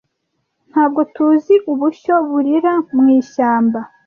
ntabwo tuzi ubushyo burira mu ishyamba